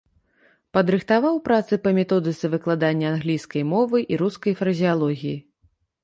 Падрыхтаваў працы па методыцы выкладання англійскай мовы і рускай фразеалогіі.